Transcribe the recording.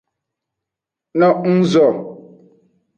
No nguzo.